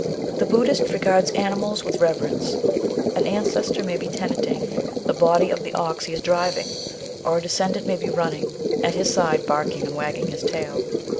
The Buddist regards animals with reverence; an ancestor may be tenanting the body of the ox he is driving, or a descendant may be running at ORIGIN OF THE WEBE WOLF MYTH. 161 his side barking and wagging his tail.